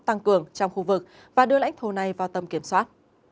tăng cường trong khu vực và đưa lãnh thổ này vào tầm kiểm soát